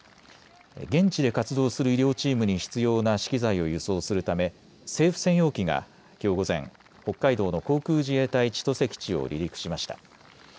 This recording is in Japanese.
現地で活動する医療チームに必要な資機材を輸送するため政府専用機がきょう午前、北海道の航空自衛隊千歳基地を離陸しました。